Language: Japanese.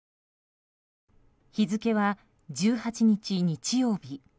日付は１８日、日曜日。